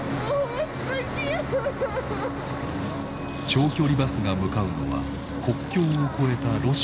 長距離バスが向かうのは国境を越えたロシア。